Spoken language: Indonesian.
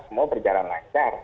semua berjalan lancar